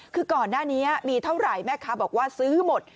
คือก่อนหน้านี้มีเท่าไหร่แม่ค้าบอกว่าซื้อหมด